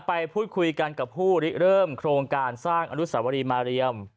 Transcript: ไปพูดคุยกันกับผู้ริเริ่มโครงการสร้างอนุสาวรีมาเรียม